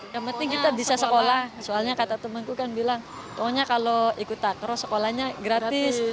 yang penting kita bisa sekolah soalnya kata temenku kan bilang pokoknya kalau ikut takraw sekolahnya gratis